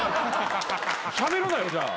しゃべるなよじゃあ。